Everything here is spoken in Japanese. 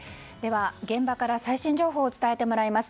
現場から最新情報を伝えてもらいます。